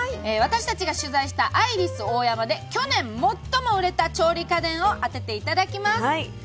私たちが取材したアイリスオーヤマで去年、最も売れた調理家電を当てていただきます。